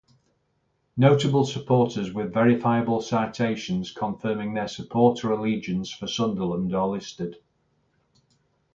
Notable supporters with verifiable citations confirming their support or allegiance for Sunderland are listed.